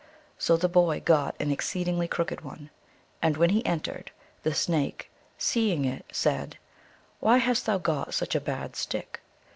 So the boy got an exceedingly crooked one ; and when he entered, the Snake, seeing it, said, " Why hast thou got such a bad stick